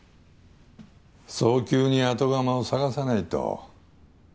早急に後釜を探さないと。